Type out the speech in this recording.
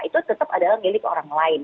itu tetap adalah milik orang lain